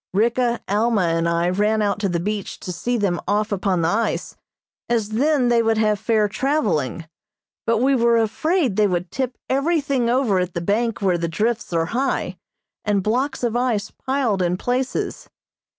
Ricka, Alma and I ran out to the beach to see them off upon the ice, as then they would have fair traveling, but we were afraid they would tip everything over at the bank where the drifts are high, and blocks of ice piled in places.